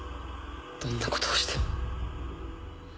どんな事をしても。